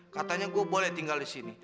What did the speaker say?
katanya gue boleh tinggal di sini